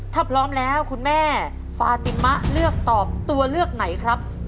ถ้าพร้อมแล้วคุณแม่ฟาติมะเลือกตอบตัวเลือกไหนครับ